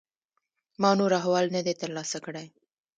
ما نور احوال نه دی ترلاسه کړی.